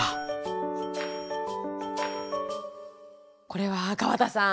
これは川田さん